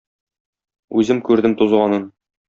Үзем күрдем тузганын.